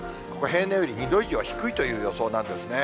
平年より２度以上低いという予想なんですね。